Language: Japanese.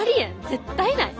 絶対ない。